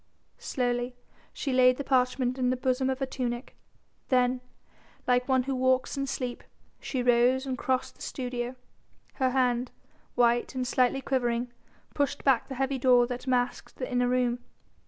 Slowly she laid the parchment in the bosom of her tunic, then, like one who walks in sleep, she rose and crossed the studio, her hand white and slightly quivering pushed back the heavy door that masked the inner room.